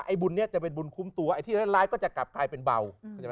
ไอ้บุญเนี่ยจะเป็นบุญคุ้มตัวไอ้ที่เล่นร้ายก็จะกลับกลายเป็นเบา